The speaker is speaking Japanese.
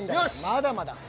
まだまだ。